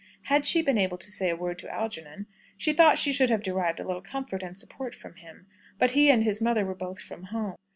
Had she been able to say a word to Algernon, she thought she should have derived a little comfort and support from him. But he and his mother were both from home.